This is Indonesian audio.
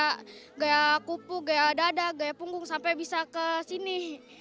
kayak kupu kayak dada kayak punggung sampai bisa ke sini